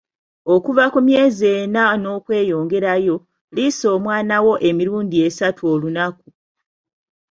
Okuva ku myezi enna n'okweyongerayo, liisa omwana wo emirundi esatu olunaku.